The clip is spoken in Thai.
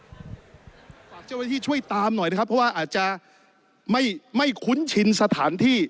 เจ้าหน้าที่ช่วยตามหน่อยนะครับเพราะว่าอาจจะไม่คุ้นชินสถานที่